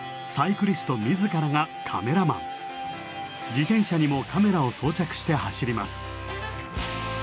自転車にもカメラを装着して走ります。